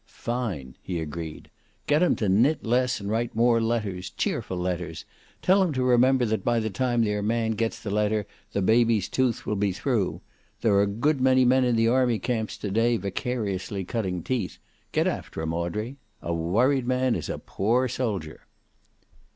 "Fine!" he agreed. "Get 'em to knit less and write more letters, cheerful letters. Tell 'em to remember that by the time their man gets the letter the baby's tooth will be through. There are a good many men in the army camps to day vicariously cutting teeth. Get after 'em, Audrey! A worried man is a poor soldier."